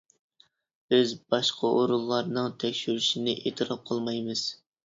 -بىز باشقا ئورۇنلارنىڭ تەكشۈرۈشىنى ئېتىراپ قىلمايمىز.